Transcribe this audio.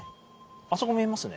あそこ見えますね。